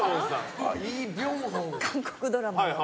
韓国ドラマの。